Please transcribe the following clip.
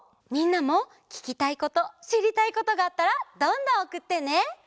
みんなもききたいことしりたいことがあったらどんどんおくってね！